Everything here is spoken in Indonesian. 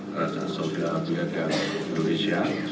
raja saudi arabia dan indonesia